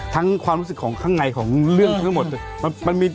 ความรู้สึกของข้างในของเรื่องทั้งหมด